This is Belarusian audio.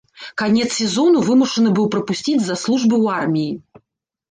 Канец сезону вымушаны быў прапусціць з-за службы ў арміі.